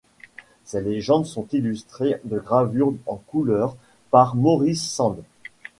Ces légendes sont illustrées de gravures en couleur par Maurice Sand.